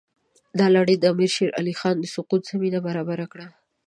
دا لړۍ د امیر شېر علي خان د سقوط زمینه برابره کړه.